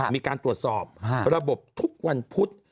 มีการตรวจสอบระบบทุกวันพุธ